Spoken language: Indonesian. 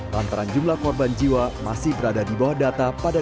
lantaran jumlah korban jiwa masih berada di bawah data pada dua ribu sembilan belas